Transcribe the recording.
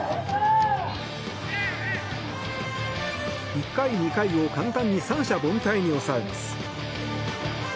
１回、２回を簡単に三者凡退に抑えます。